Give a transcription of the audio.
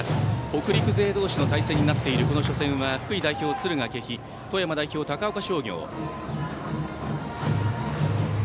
北陸勢同士の対戦となっているこの初戦は福井代表、敦賀気比富山代表、高岡商業。